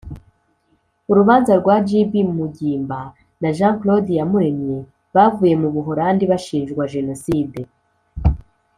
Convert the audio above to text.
Urubanza rwa J.B Mugimba na J.Claude Iyamuremye bavuye m'Ubuhorandi bashinjwa jenoside.